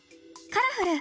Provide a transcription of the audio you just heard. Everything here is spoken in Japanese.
「カラフル！